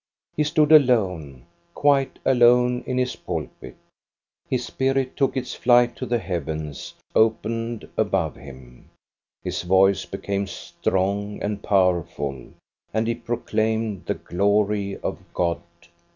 He stood alone, quite alone in his pulpit; his spirit took its flight to the heavens opened above him ; his voice be came strong and powerful, and he proclaimed the glory of God.